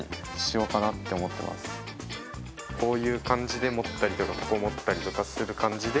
こういう感じで持ったりとかここ持ったりとかする感じで。